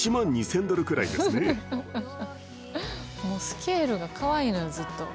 スケールがかわいいのよずっと。